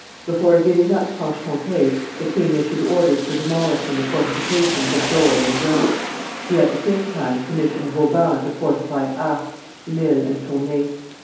Before giving up Franche Comte, the king issued orders for demolishing the fortifications of Dole and Gray; he at the same time commissioned Vauban to fortify Ath, Lille, and Tournay.